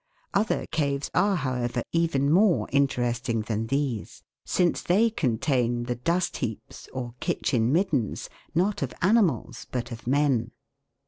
Other caves are, however, even more interesting than these, since they contain the " dust heaps " or " kitchen middens " (Fig. 52), not of animals, but of men.